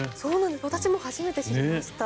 私も初めて知りました。